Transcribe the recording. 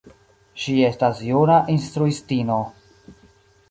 Ŝi estas juna instruistino.